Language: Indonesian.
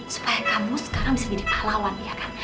supaya kamu sekarang bisa jadi pahlawan ya kan